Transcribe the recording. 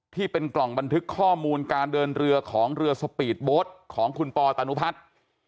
ที่เป็นกล่องบันทึกข้อมูลการเดินเรือของเรือสปีดโบ๊ทของคุณปอตานุพัฒน์